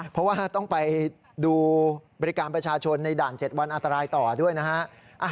เพราะว่าต้องไปดูบริการประชาชนในด่าน๗วันอันตรายต่อด้วยนะฮะ